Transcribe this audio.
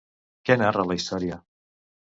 Què narra la història?